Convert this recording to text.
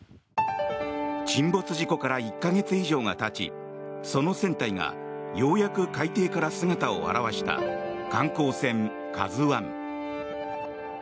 沈没事故から１か月以上がたちその船体がようやく海底から姿を現した観光船「ＫＡＺＵ１」。